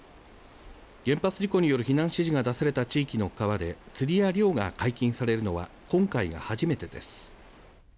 原発事故による避難指示が出された地域の川で釣りや漁が解禁されるのは今回が初めてです。